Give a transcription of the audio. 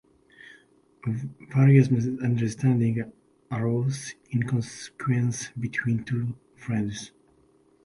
Various misunderstandings arose in consequence between the two friends.